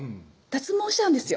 脱毛したんです